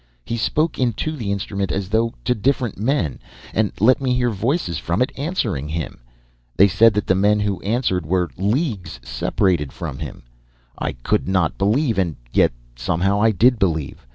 He spoke into the instrument as though to different men, and let me hear voices from it answering him! They said that the men who answered were leagues separated from him! "I could not believe and yet somehow I did believe!